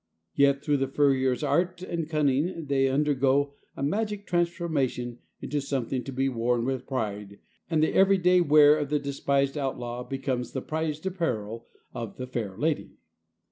Yet through the furrier's art and cunning they undergo a magic transformation into something to be worn with pride, and the every day wear of the despised outlaw becomes the prized apparel of the fair lady.